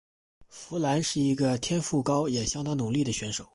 佛兰是一个天赋高也相当努力的选手。